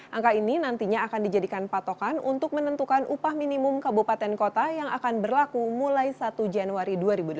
angka ini nantinya akan dijadikan patokan untuk menentukan upah minimum kabupaten kota yang akan berlaku mulai satu januari dua ribu delapan belas